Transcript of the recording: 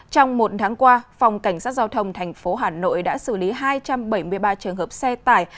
trong một tháng qua phòng cảnh sát giao thông thành phố hà nội đã xử lý hai trăm bảy mươi ba trường hợp xe tải